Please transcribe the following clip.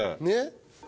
ねっ？